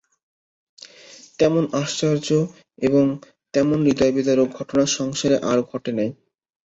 তেমন আশ্চর্য এবং তেমন হৃদয়বিদারক ঘটনা সংসারে আর কখনো ঘটে নাই।